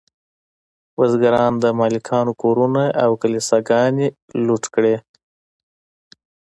بزګرانو د مالکانو کورونه او کلیساګانې لوټ کړې.